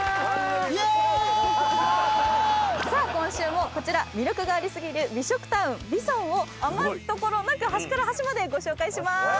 さあ今週もこちら魅力があり過ぎる美食タウンＶＩＳＯＮを余すところなく端から端までご紹介します。